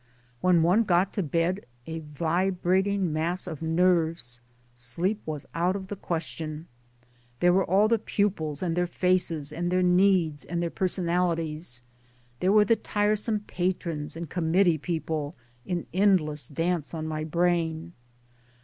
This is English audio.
.When one got to bed a vibrating mass of nerves sleep was out of the question. There were all the pupils and their faces, and their needs and their personalities ; there were the tiresome patrons and committee people, in endless dance 011 my brain.